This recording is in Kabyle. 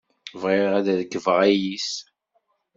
Bɣiɣ ad rekbeɣ ayis.